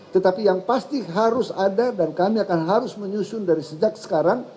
tetapi yang pasti harus ada dan kami akan harus menyusun dari sejak sekarang